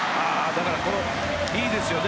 だから、いいですよね。